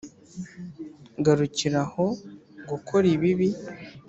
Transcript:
garukira ho gukora ibibi